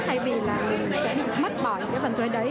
thay vì là mình sẽ bị mất bỏ những cái phần thuế đấy